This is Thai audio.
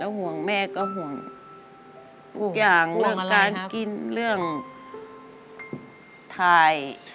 ห่วงแม่ก็ห่วงทุกอย่างเรื่องการกินเรื่องทาย